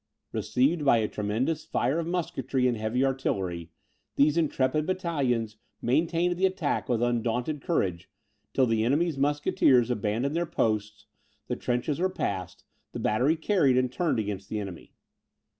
Received by a tremendous fire of musketry and heavy artillery, these intrepid battalions maintained the attack with undaunted courage, till the enemy's musketeers abandoned their posts, the trenches were passed, the battery carried and turned against the enemy.